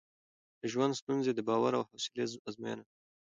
د ژوند ستونزې د باور او حوصله ازموینه ده.